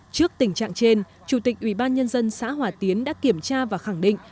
trước tình trạng trên chủ tịch ubnd xã hòa tiến đã kiểm tra và khẳng định